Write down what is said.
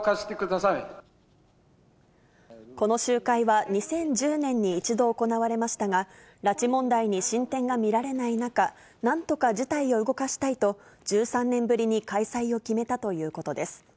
この集会は、２０１０年に一度行われましたが、拉致問題に進展が見られない中、なんとか事態を動かしたいと、１３年ぶりに開催を決めたということです。